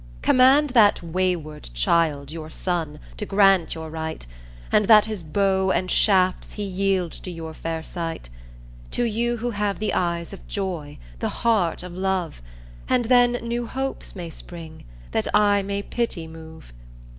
Command that wayward child your son to grant your right, And that his bow and shafts he yield to your fair sight To you who have the eyes of joy, the heart of love, And then new hopes may spring that I may pity move.